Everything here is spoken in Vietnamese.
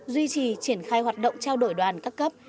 duy trì triển khai hoạt động trao đổi đoàn các cấp